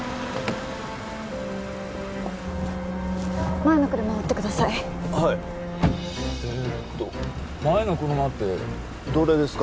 前の車を追ってください・はいええと前の車ってどれですか？